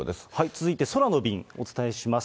続いて空の便、お伝えします。